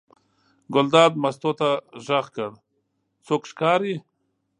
ګلداد مستو ته غږ وکړ: څوک ښکاري.